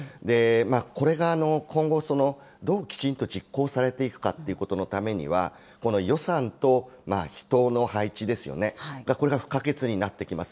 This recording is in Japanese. これが今後、どうきちんと実行されていくかということのためには、予算と人の配置ですよね、これが不可欠になってきます。